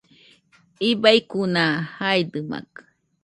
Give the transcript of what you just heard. Ibaikuna jaidɨmakɨ